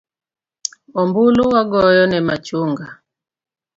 Ombulu wagoyo ne machunga